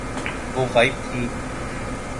وہ غائب تھی۔